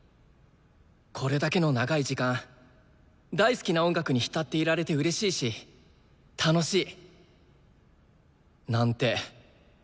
これだけの長い時間大好きな音楽に浸っていられてうれしいし楽しい。なんて